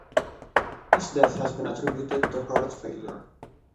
His death has been attributed to heart failure.